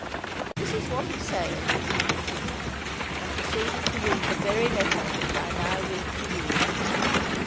'This is what he saith,' I continued, and proceeded to read the very letter which I now read to you.